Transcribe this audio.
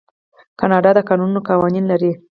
کاناډا د کانونو قوانین لري.